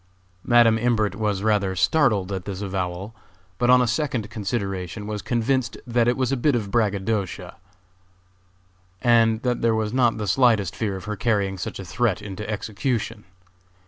Madam Imbert was rather startled at this avowal, but on a second consideration was convinced that it was a bit of braggadocio, and that there was not the slightest fear of her carrying such a threat into execution.